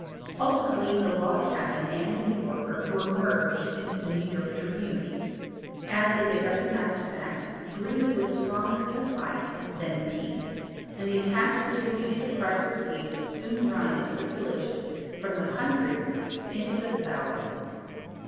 Ultimately the Log Cabin and the New Yorker were merged into the New York Tribune. As is a recognized fact, Greeley was stronger in a fight than in peace, and the attacks which this new enterprise received soon run its circulation from the hundreds into the thousands.